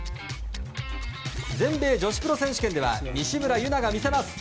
全米女子プロ選手権では西村優菜が見せます。